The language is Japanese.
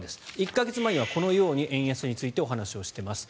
１か月前にはこのように円安についてお話をしています。